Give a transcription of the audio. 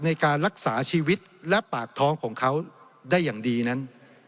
ในการรักษาชีวิตและปากท้องของเขาได้อย่างดีนั้น